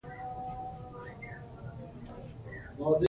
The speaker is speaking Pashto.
فایبر لرونکي خواړه د کولمو لپاره ګټور دي.